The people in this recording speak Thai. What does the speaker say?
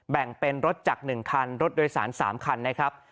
แบ่งเป็นรถจักร๑คันรถโดยสาร๓คันนะครับ